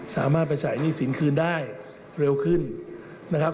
สามารถไปจ่ายหนี้สินคืนได้เร็วขึ้นนะครับ